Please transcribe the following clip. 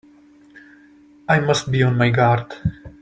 I must be on my guard!